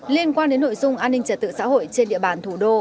liên quan đến nội dung an ninh trật tự xã hội trên địa bàn thủ đô